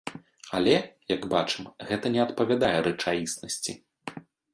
Але, як бачым, гэта не адпавядае рэчаіснасці.